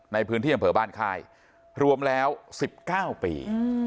ในพื้นที่อำเภอบ้านค่ายรวมแล้ว๑๙ปี